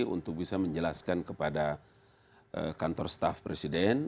untuk bisa menjelaskan kepada kantor staff presiden